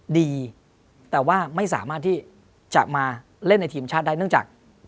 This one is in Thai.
ดีแต่ว่าไม่สามารถที่จะมาเล่นในทีมชาติได้เนื่องจาก